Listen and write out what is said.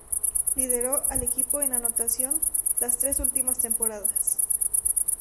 Lideró al equipo en anotación las tres últimas temporadas.